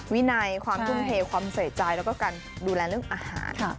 วินัยความทุ่มเทความใส่ใจแล้วก็การดูแลเรื่องอาหาร